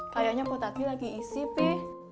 kayaknya potatnya lagi isi pi